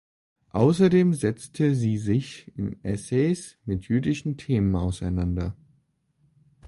Außerdem setzte sie sich in Essays mit jüdischen Themen auseinander.